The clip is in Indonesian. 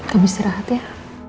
kamu istirahat ya